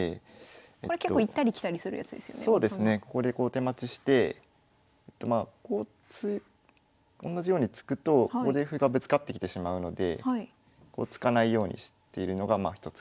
ここでこう手待ちしてまあこうおんなじように突くとここで歩がぶつかってきてしまうのでこう突かないようにしてるのがひとつ工夫ですね。